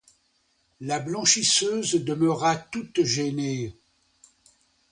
La blanchisseuse demeura toute gênée.